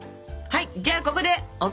はい！